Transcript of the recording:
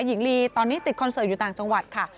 หญิงลีตอนนี้ติดคอนเสิร์ตอยู่ต่างจังหวัดค่ะ